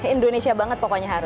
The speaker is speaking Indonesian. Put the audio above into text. indonesia banget pokoknya harus